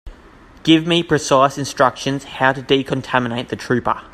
Give me precise instructions how to decontaminate the trooper.